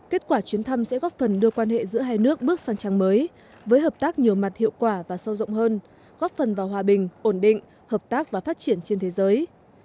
kết quả chuyến thăm sẽ góp phần đưa quan hệ giữa hai nước bước sang trang mới với hợp tác nhiều mặt hiệu quả và sâu rộng hơn góp phần vào hòa bình ổn định hợp tác và phát triển trên thế giới